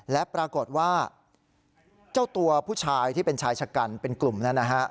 และปรากฏว่าเจ้าตัวผู้ชายที่เป็นชายชะกันเป็นกลุ่มนั้นนะฮะ